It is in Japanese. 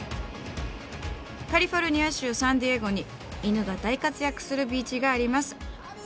カリフォルニア州サンディエゴに犬が大活躍するビーチがあります。